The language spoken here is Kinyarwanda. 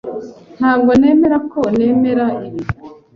Ntabwo nemera ko nemera ibi.